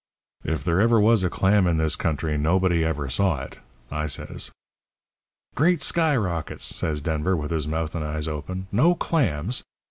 "'If there ever was a clam in this country nobody ever saw it,' I says. "'Great sky rockets!' says Denver, with his mouth and eyes open. 'No clams?